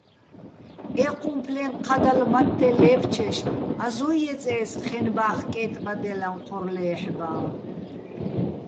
ეჴუმფლეჼ ჴადალ მათთე ლე́ფჩეშ ას უჼ ჲეწე́ს ხენბა́ხ კე́ტბადჲალაჼ ჴორ ლე́ჰ̦ბაჼ?